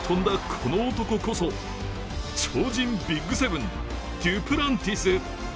この男こそ超人ＢＩＧ７デュプランティス。